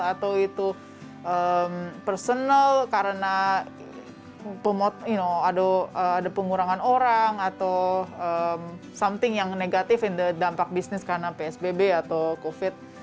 atau itu personal karena ada pengurangan orang atau something yang negatif in the dampak bisnis karena psbb atau covid